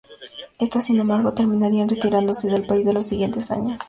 Estas, sin embargo, terminarían retirándose del país en los siguientes años.